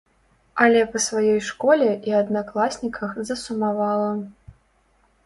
Але па сваёй школе і аднакласніках засумавала.